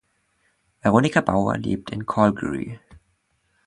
Veronika Bauer lebt in Calgary.